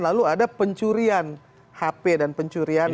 lalu ada pencurian hp dan pencurian